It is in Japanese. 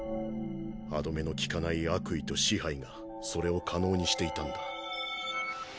歯止めのきかない悪意と支配がそれを可能にしていたんだ。